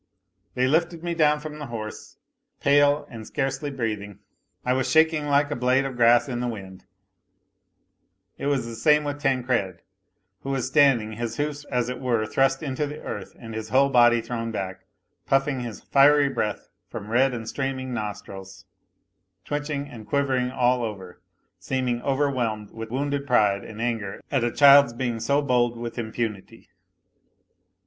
They lifted me down from the horse, pale and scarcely 246 A LITTLE HERO breathing. I was shaking like a blade of grass in the wind ; it was the same with Tancred, who was standing, his hoofs as it were thrust into the earth and his whole body thrown back, puffing his fiery breath from red and streaming nostrils, twitching and quivering all over, seeming overwhelmed with wounded pride and anger at a child's being so bold with impunity.